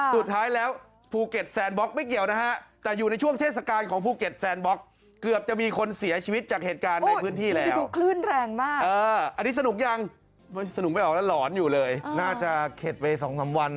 สุดท้ายแล้วภูเก็ตแซนบล็อกไม่เกี่ยวนะฮะ